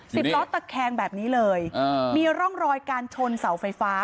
สิบล้อตะแคงแบบนี้เลยอ่ามีร่องรอยการชนเสาไฟฟ้า